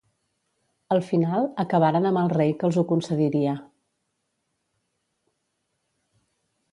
Al final acabaren amb el rei que els ho concediria.